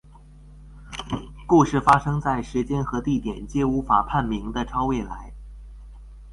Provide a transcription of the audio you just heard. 故事发生在时间和地点皆无法判明的超未来。